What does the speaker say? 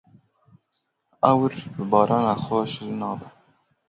Ewr bi barana xwe şil nabe.